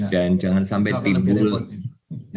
dan jangan sampai timbul